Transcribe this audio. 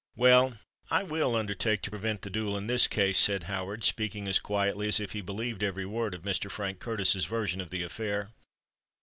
"Well—I will undertake to prevent the duel, in this case," said Howard, speaking as quietly as if he believed every word of Mr. Frank Curtis's version of the affair.